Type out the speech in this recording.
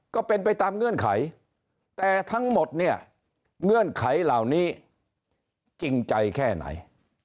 ก็เป็นไปตามเงื่อนไขแต่ทั้งหมดเนี่ยเงื่อนไขเหล่านี้จริงใจแค่ไหน